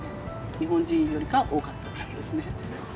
日本人よりか多かったぐらいですね。